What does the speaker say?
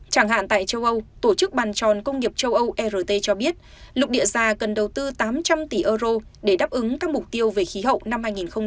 chẳng hạn tại châu âu tổ chức bàn tròn công nghiệp châu âu rt cho biết lục địa già cần đầu tư tám trăm linh tỷ euro để đáp ứng các mục tiêu về khí hậu năm hai nghìn hai mươi